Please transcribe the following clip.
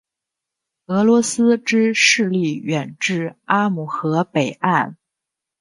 俄罗斯之势力远至阿姆河北岸。